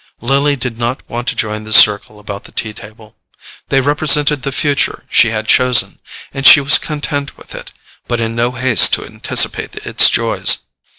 Lily did not want to join the circle about the tea table. They represented the future she had chosen, and she was content with it, but in no haste to anticipate its joys.